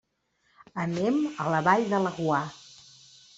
Anem a la Vall de Laguar.